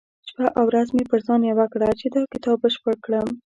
شپه او ورځ مې پر ځان يوه کړه چې دا کتاب بشپړ کړم.